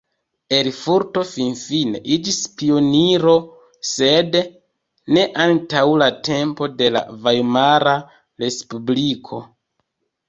Erfurto finfine iĝis pioniro, sed ne antaŭ la tempo de la Vajmara Respubliko.